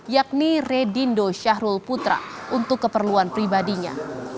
yakni redindo syahrul putra untuk keperluan pribadinya